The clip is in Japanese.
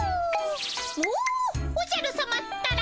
もうおじゃるさまったら。